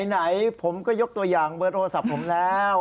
ไหนผมก็ยกตัวอย่างเบอร์โทรศัพท์ผมแล้ว